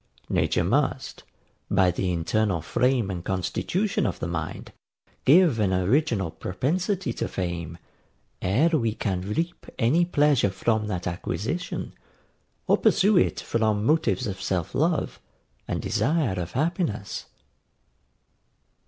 Nature must, by the internal frame and constitution of the mind, give an original propensity to fame, ere we can reap any pleasure from that acquisition, or pursue it from motives of self love, and desire of happiness.